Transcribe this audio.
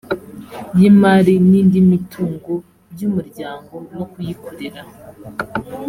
y imari n indi mitungo by umuryango no kuyikorera